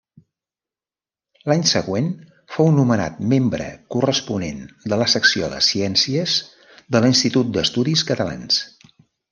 L'any següent fou nomenat membre corresponent de la Secció de Ciències de l'Institut d'Estudis Catalans.